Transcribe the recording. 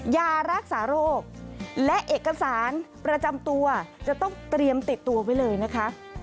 ยารักษาโรคและเอกสารประจำตัวจะต้องเตรียมติดตัวไว้เลยนะคะ